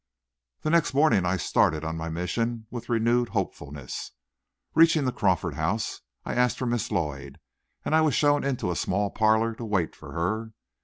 The next morning I started on my mission with renewed hopefulness. Reaching the Crawford house, I asked for Miss Lloyd, and I was shown into a small parlor to wait for her.